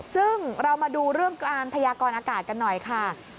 ซึ่งเรามาดูเรื่องการพยากรอากาศกันหน่อยค่ะ